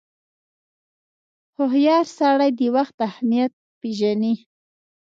• هوښیار سړی د وخت اهمیت پیژني.